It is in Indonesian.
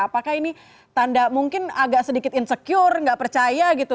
apakah ini tanda mungkin agak sedikit insecure nggak percaya gitu